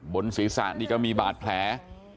บนศีรษะนี่ก็มีบาดแผล